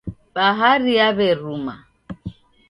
Bahari yaw'eruma.